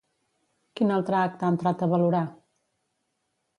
Quin altre acte ha entrat a valorar?